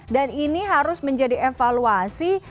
dan ini harus menjadi evaluasi